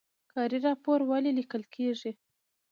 کاري راپور ولې لیکل کیږي؟